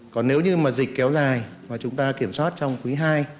còn nếu như mà dịch kéo dài và chúng ta kiểm soát trong quý hai